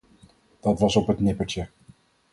Dat was op het nippertje.